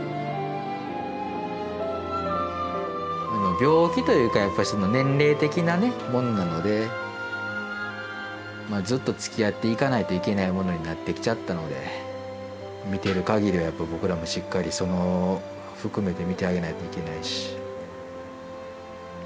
病気というかやっぱり年齢的なものなのでずっとつきあっていかないといけないものになってきちゃったので見ているかぎりは僕らもしっかりその含めて見てあげないといけないし。